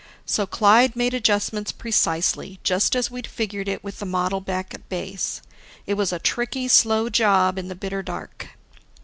So Clyde made adjustments precisely, just as we'd figured it with the model back at base. It was a tricky, slow job in the bitter dark.